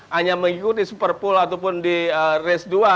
hanya mengikuti superpool ataupun di race dua